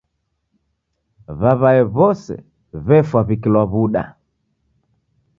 W'aw'ae w'ose w'efwa w'ikilwa w'uda.